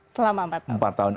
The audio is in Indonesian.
selama empat tahun